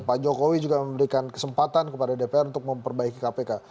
pak jokowi juga memberikan kesempatan kepada dpr untuk memperbaiki kpk